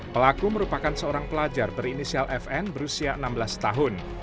pelaku merupakan seorang pelajar berinisial fn berusia enam belas tahun